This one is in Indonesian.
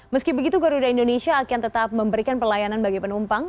meski begitu garuda indonesia akan tetap memberikan pelayanan bagi penumpang